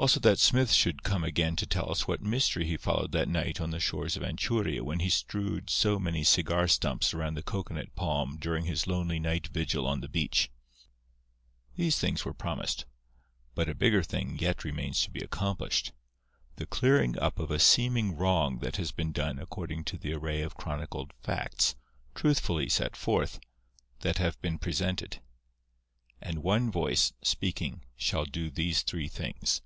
Also that Smith should come again to tell us what mystery he followed that night on the shores of Anchuria when he strewed so many cigar stumps around the cocoanut palm during his lonely night vigil on the beach. These things were promised; but a bigger thing yet remains to be accomplished—the clearing up of a seeming wrong that has been done according to the array of chronicled facts (truthfully set forth) that have been presented. And one voice, speaking, shall do these three things.